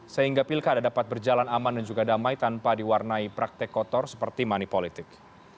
sehingga pilkada dapat berjalan aman dan juga damai tanpa diwarnai praktek kotor seperti money politik